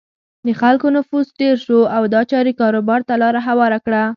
د خلکو نفوس ډېر شو او دا چارې کاروبار ته لاره هواره کړه.